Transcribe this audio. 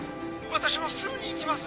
私もすぐに行きます！